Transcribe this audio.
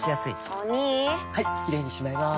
お兄はいキレイにしまいます！